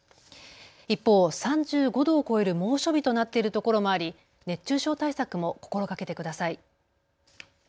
一方、３５度を超える猛暑日となっているところもあり熱中症対策も心がけてください。